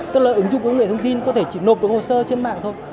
tức là ứng dụng công nghệ thông tin có thể chỉ nộp được hồ sơ trên mạng thôi